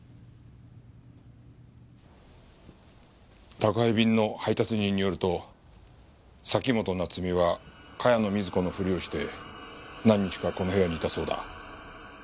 宅配便の配達人によると崎本菜津美は茅野瑞子のふりをして何日かこの部屋にいたそうだ。